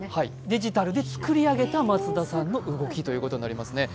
デジタルで作り上げた松田さんの動きということになりますね。